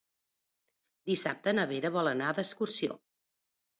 Dissabte na Vera vol anar d'excursió.